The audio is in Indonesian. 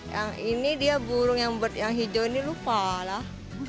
yang ini dia burung yang hijau ini lupa lah